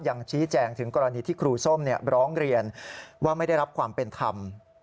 ยังชี้แจงถึงกรณีที่ครูส้มร้องเรียนว่าไม่ได้รับความเป็นธรรม